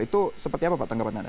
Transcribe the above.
itu seperti apa pak tanggapan anda